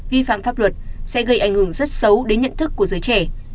vi phạm pháp luật sẽ gây ảnh hưởng rất xấu đến nhận thức của giới trẻ